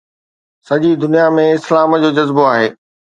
سڄي دنيا ۾ اسلام جو جذبو آهي